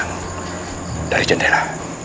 belakang dari jendela